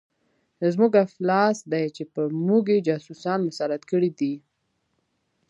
زموږ افلاس دی چې پر موږ یې جاسوسان مسلط کړي دي.